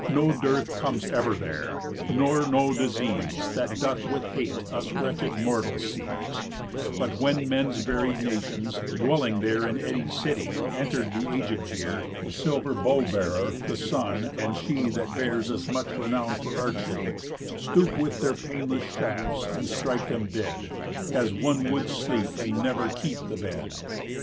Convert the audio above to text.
No dearth comes ever there, nor no disease That doth with hate us wretched mortals seize, But when men's varied nations, dwelling there In any city, enter th' aged year, The silver bow bearer, the Sun, and She That bears as much renown for archery, Stoop with their painless shafts, and strike them dead, As one would sleep, and never keep the bed.